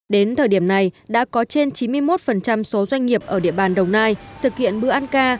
đến thời điểm này đã có trên chín mươi một số doanh nghiệp ở địa bàn đồng nai thực hiện bữa ăn ca